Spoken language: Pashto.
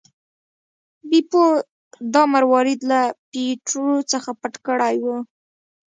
بیپو دا مروارید له پیټرو څخه پټ کړی و.